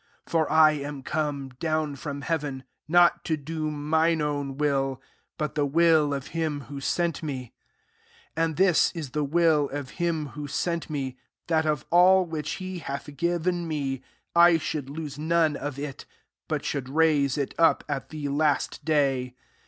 38 For I am come down from heaven, not to do mine own will, but the will of him who sent me. 39 "And this is the will of him who sent me, that of all which he hath given me, I should lose none of it, but should raise it up, at the last day.